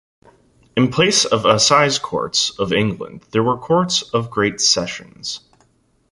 In place of assize courts of England, there were Courts of Great Sessions.